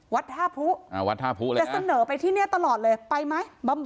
วัดทาพุแต่เสนอไปที่นี่ตลอดเลยไปไหม